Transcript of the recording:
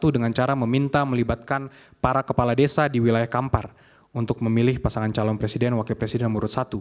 dengan cara meminta melibatkan para kepala desa di wilayah kampar untuk memilih pasangan calon presiden wakil presiden nomor satu